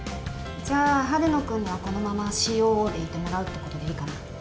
じゃあ春野君にはこのままＣＯＯでいてもらうってことでいいかな？